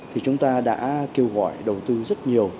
thì chúng ta đã kêu gọi đầu tư rất nhiều